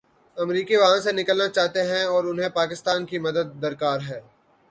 امریکی وہاں سے نکلنا چاہتے ہیں اور انہیں پاکستان کی مدد درکار ہے۔